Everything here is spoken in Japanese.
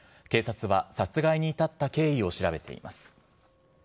警察は、殺害に至った経緯を調べています。